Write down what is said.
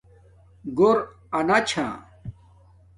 گھور آنا چھا